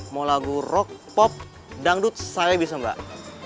mau lagu rock pop dangdut saya bisa mbak